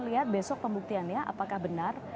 lihat besok pembuktiannya apakah benar